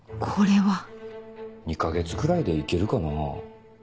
これは２か月くらいで行けるかな？